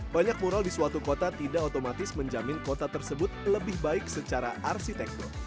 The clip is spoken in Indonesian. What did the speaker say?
banyak mural di suatu kota tidak otomatis menjamin kota tersebut lebih baik secara arsitektur